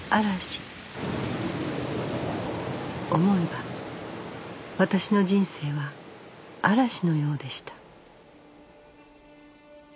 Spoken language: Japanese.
思えば私の人生は嵐のようでした